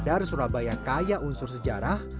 sadar surabaya kaya unsur sejarah